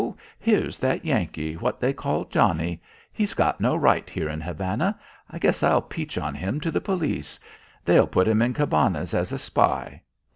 Here's that Yankee what they call Johnnie. He's got no right here in Havana. Guess I'll peach on him to the police. They'll put him in Cabanas as a spy.'